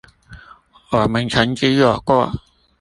我們曾經有過